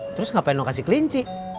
terus ngapain mau kasih kelinci